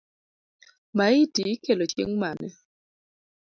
Maiti ikelo chieng’ mane?